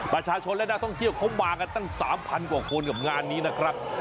ประชาชนและนักท่องเที่ยวเขามากันตั้ง๓๐๐กว่าคนกับงานนี้นะครับ